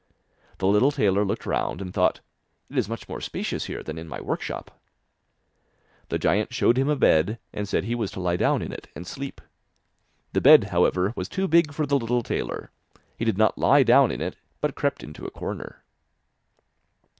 The little tailor looked round and thought: 'It is much more spacious here than in my workshop.' The giant showed him a bed, and said he was to lie down in it and sleep. The bed, however, was too big for the little tailor; he did not lie down in it, but crept into a corner.